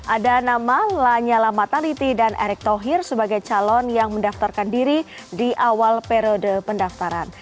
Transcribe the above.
ada nama lanyala mataliti dan erick thohir sebagai calon yang mendaftarkan diri di awal periode pendaftaran